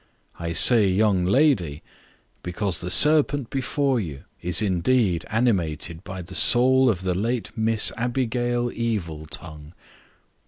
I say young lady, because the serpent before you is indeed animated by the soul of the late Miss Abigail Eviltongue.